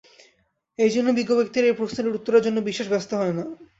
এই জন্য বিজ্ঞ ব্যক্তিরা এই প্রশ্নটির উত্তরের জন্য বিশেষ ব্যস্ত হয় না।